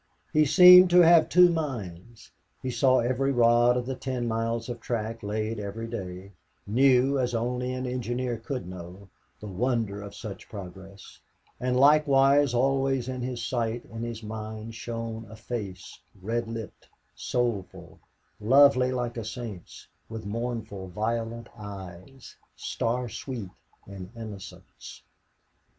He seemed to have two minds. He saw every rod of the ten miles of track laid every day, knew, as only an engineer could know, the wonder of such progress; and, likewise, always in his sight, in his mind, shone a face, red lipped, soulful, lovely like a saint's, with mournful violet eyes, star sweet in innocence.